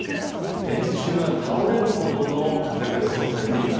電柱が倒れるほどの風が予想されています。